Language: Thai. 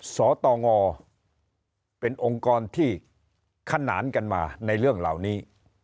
สตงเป็นองค์กรที่ขนานกันมาในเรื่องเหล่านี้